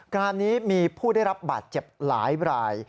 การนี้มีผู้ได้รับบาดเจ็บหลายราย